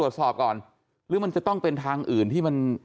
หรือมันจะต้องเป็นทางอื่นที่มัน